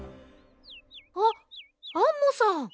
あっアンモさん。